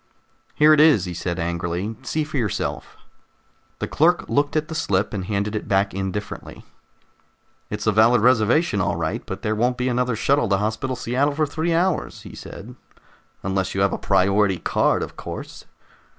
"Here it is," he said angrily. "See for yourself." The clerk looked at the slip and handed it back indifferently. "It's a valid reservation, all right, but there won't be another shuttle to Hospital Seattle for three hours," he said, "unless you have a priority card, of course."